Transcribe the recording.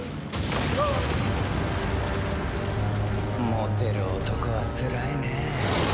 モテる男はつらいねえ。